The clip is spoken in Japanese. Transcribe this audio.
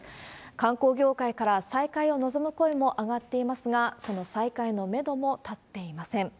観光業界から再開を望む声も上がっていますが、その再開のメドも立っていません。